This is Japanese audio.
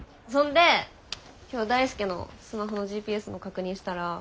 そんで今日大輔のスマホのＧＰＳの確認したら。